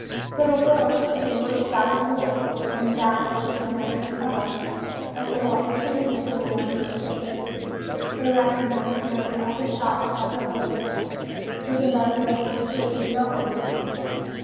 Little girls distinguish dyed wool from that which is of the natural color . As they walk two and two along the streets, they recognize nearly all the shops by their odors, even those in which we perceive no odor.